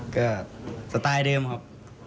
ก็สไตล์เดิมครับ